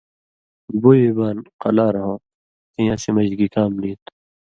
بُوئی بان قلار ہو تیں اسی مژ گی کام نی تُھو